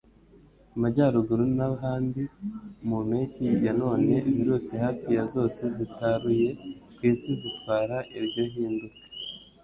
Amajyaruguru n'ahandi mu mpeshyi ya none virusi hafi ya zose zitaruye ku isi zitwara iryo hinduka.